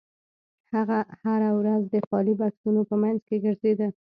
هغه هره ورځ د خالي بکسونو په مینځ کې ګرځیده